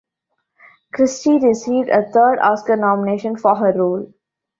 Christie received a third Oscar nomination for her role.